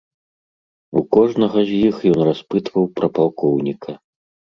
У кожнага з іх ён распытваў пра палкоўніка.